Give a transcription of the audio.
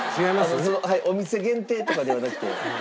お店限定とかではなくて。